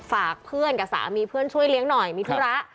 ฝากเพื่อนกับสามีเพื่อนช่วยเลี้ยงหน่อยมีธุระ